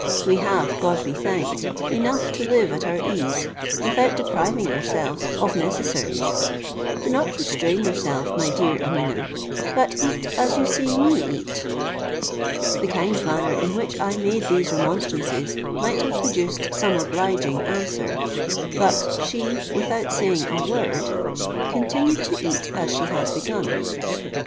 We have, God be thanked! enough to live at our ease, without depriving ourselves of necessaries. Do not restrain yourself, my dear Ameeneh, but eat as you see me eat." The kind manner in which I made these remonstrances might have produced some obliging answer; but she, without saying a word, continued to eat as she had begun.